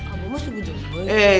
abah mah suzo boi